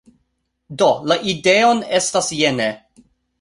Do, la ideon estas jene: